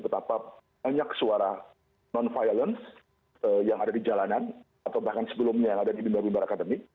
betapa banyak suara non violence yang ada di jalanan atau bahkan sebelumnya yang ada di bimba bimbar akademik